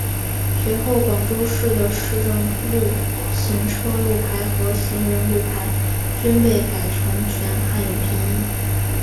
随后广州市的市政道路行车路牌和行人路牌均被改成全汉语拼音。